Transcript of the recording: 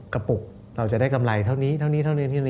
กระปุกเราจะได้กำไรเท่านี้เท่านี้เท่านี้